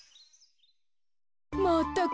まったく。